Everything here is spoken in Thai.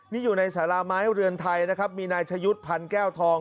นี่อยู่ในสาราไม้เรือนไทยนะครับมีนายชะยุทธ์พันแก้วทอง